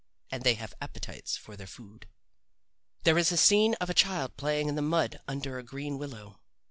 And they have appetites for their food. There is a scene of a child playing in the mud under a green willow.